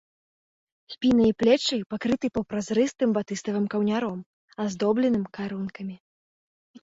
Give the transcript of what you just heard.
Спіна і плечы пакрыты паўпразрыстым батыставым каўняром, аздобленым карункамі.